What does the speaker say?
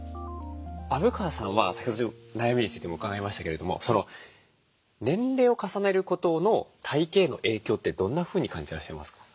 虻川さんは先ほど悩みについても伺いましたけれども年齢を重ねることの体形への影響ってどんなふうに感じていらっしゃいますか？